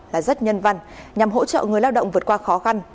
là rất nhân văn nhằm hỗ trợ người lao động vượt qua khó khăn